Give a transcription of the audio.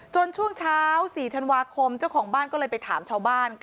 ช่วงเช้า๔ธันวาคมเจ้าของบ้านก็เลยไปถามชาวบ้าน